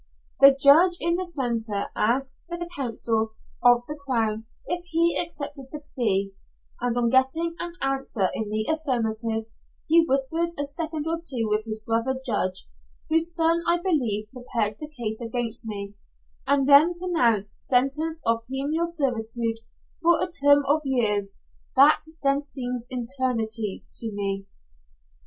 The judge in the centre asked the counsel for the crown if he accepted the plea, and on getting an answer in the affirmative, he whispered a second or two with his brother judge, whose son I believe prepared the case against me, and then pronounced sentence of penal servitude for a term of years that then seemed eternity to me.